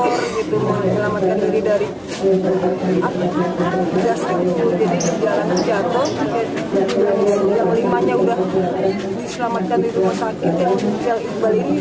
selamatkan diri dari jatuh yang limanya udah diselamatkan di rumah sakit yang